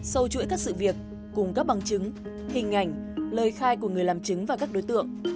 sâu chuỗi các sự việc cùng các bằng chứng hình ảnh lời khai của người làm chứng và các đối tượng